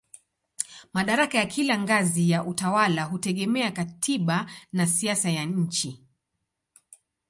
Madaraka ya kila ngazi ya utawala hutegemea katiba na siasa ya nchi.